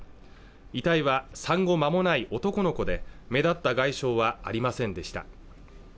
遺体は産後まもない男の子で目立った外傷はありませんでした